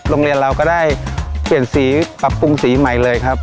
โรงเรียนเราก็ได้เปลี่ยนสีปรับปรุงสีใหม่เลยครับ